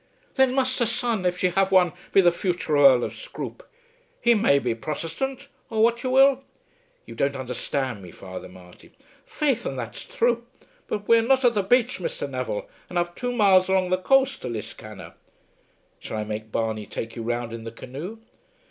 "Then must her son if she have one be the future Earl of Scroope. He may be Protesthant, or what you will?" "You don't understand me, Father Marty." "Faith, and that's thrue. But we are at the baich, Mr. Neville, and I've two miles along the coast to Liscannor." "Shall I make Barney take you round in the canoe?"